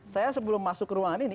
saya sebelum masuk ke ruangan ini